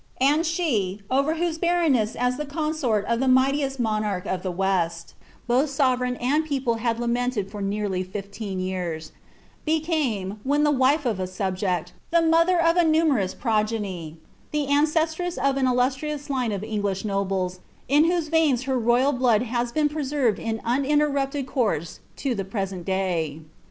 And she, over whose MB aa the consort of the mightiest monarch of the Weet, both » and people had lamented for nearly fifieeii years, became, when tba wife of a subject, the mother of a numerous progeny, the ancestress of an Qlustriiius line of English nobles, in whose veins her royal blood has bscn prewrvei) in uninterrupted course lo the present day.